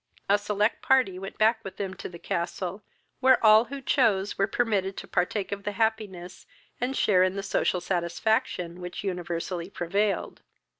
A select party went back with them to the castle, where all who chose were permitted to partake of the happiness, and share in the social satisfaction which universally prevailed.